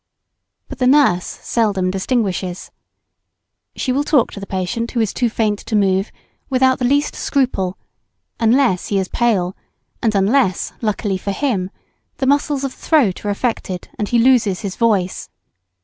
But the nurse seldom distinguishes. She will talk to the patient who is too faint to move, without the least scruple, unless he is pale and unless, luckily for him, the muscles of the throat are affected and he loses his voice.